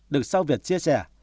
được sau việt chia sẻ